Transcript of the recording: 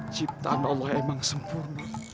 ciptaan allah emang sempurna